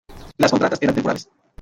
Las contratas eran temporales.